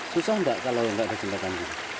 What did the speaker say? susah enggak kalau enggak ada jembatan